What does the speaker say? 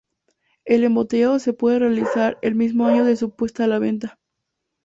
El embotellado se puede realizar el mismo año de su puesta a la venta.